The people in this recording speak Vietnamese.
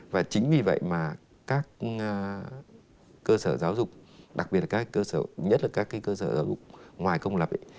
và chính vì vậy mà các cơ sở giáo dục đặc biệt là các cơ sở nhất là các cơ sở giáo dục ngoài công lập ấy